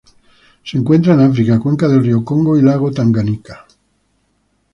Se encuentran en África: cuenca del río Congo y lago Tanganika.